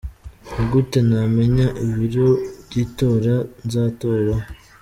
Ni gute namenya ibiro by’itora nzatoreraho?.